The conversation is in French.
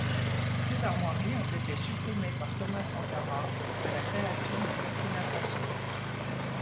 Ces armoiries ont été supprimées par Thomas Sankara à la création du Burkina Faso.